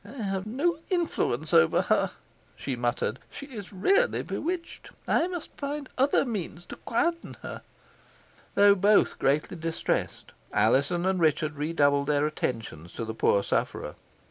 "I have no influence over her," she muttered. "She is really bewitched. I must find other means to quieten her." Though both greatly distressed, Alizon and Richard redoubled their attentions to the poor sufferer.